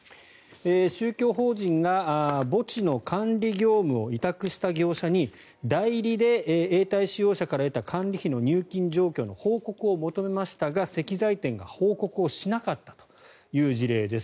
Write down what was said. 宗教法人が墓地の管理業務を委託した業者に代理で永代使用者から得た管理費の入金状況の報告を求めましたが石材店が報告をしなかったという事例です。